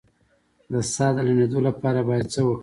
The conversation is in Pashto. د ساه د لنډیدو لپاره باید څه وکړم؟